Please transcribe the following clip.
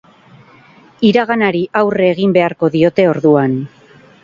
Iraganari aurre egin beharko diote orduan.